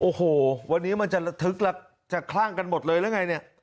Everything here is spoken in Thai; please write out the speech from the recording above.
โอ้โหวันนี้มันจะระทึกแล้วจะคลั่งกันหมดเลยหรือไงเนี่ย